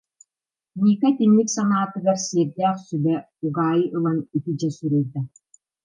Ника итинник санаатыгар сиэрдээх сүбэ, угаайы ылан ити дьэ суруйда